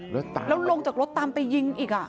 แล้วลงจากรถตามไปยิงอีกอ่ะ